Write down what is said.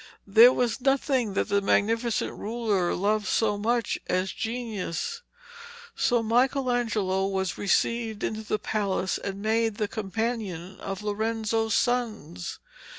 There was nothing that the Magnificent ruler loved so much as genius, so Michelangelo was received into the palace and made the companion of Lorenzo's sons.